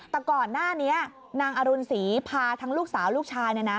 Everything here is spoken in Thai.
แต่ก่อนหน้านี้นางอรุณศรีพาทั้งลูกสาวลูกชาย